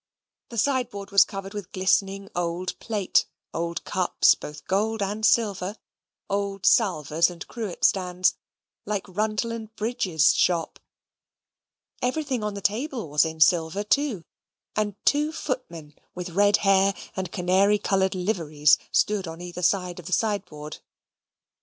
The sideboard was covered with glistening old plate old cups, both gold and silver; old salvers and cruet stands, like Rundell and Bridge's shop. Everything on the table was in silver too, and two footmen, with red hair and canary coloured liveries, stood on either side of the sideboard. Mr.